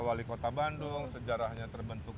wali kota bandung sejarahnya terbentuk